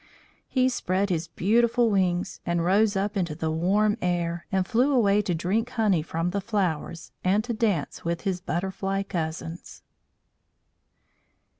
He spread his beautiful wings and rose up into the warm air, and flew away to drink honey from the flowers and to dance with his butterfly cousins.